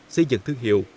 xây dựng thương hiệu